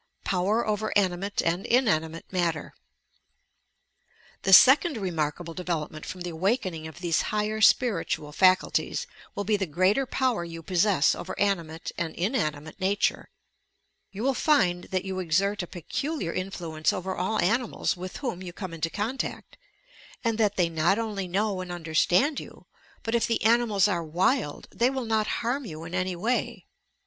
POWER OVEB ANIMATE AND INAKIUATB HATTZB The second remarkable development from the awak ening of these higher spiritual faculties will be the greater power you possess over animate and inanimate nature. You will find that you esert a peculiar influ ence over all animals with whom you come into con tact, and that they not only know and understand yon, but, if the animals are wild, they will not harm yon in any way.